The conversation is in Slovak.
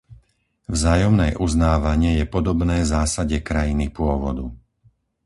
Vzájomné uznávanie je podobné zásade krajiny pôvodu.